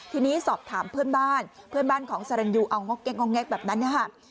ทีนี้สอบถามเพื่อนบ้านเพื่อนบ้านของสรรยูเอางอกแก๊กแก๊กแบบนั้นนะคะ